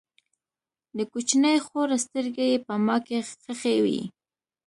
د کوچنۍ خور سترګې یې په ما کې خښې وې